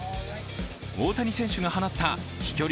大谷選手が放った飛距離